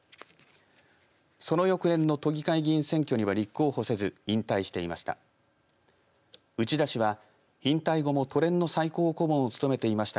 その翌年の都議会議員選挙には立候補せず、引退していました。